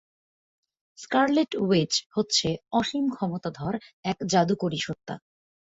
Scarlet Witch হচ্ছে অসীম ক্ষমতাধর এক জাদুকরী সত্তা।